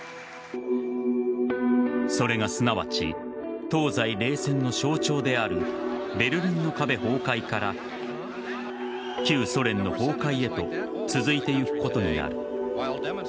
それがすなわち東西冷戦の象徴であるベルリンの壁崩壊から旧ソ連の崩壊へと続いていくことになる。